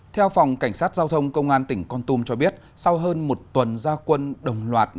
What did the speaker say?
theo phòng cảnh sát giao thông công an tỉnh con tum cho biết sau hơn một tuần gia quân đồng loạt